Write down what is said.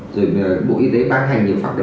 rồi bộ y tế ban hành nhiều phạt độ